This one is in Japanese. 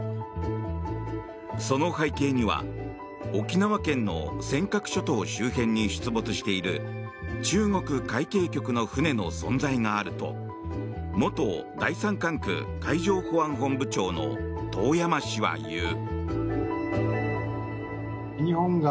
その背景には沖縄県の尖閣諸島周辺に出没している中国海警局の船の存在があると元第三管区海上保安本部長の遠山氏は言う。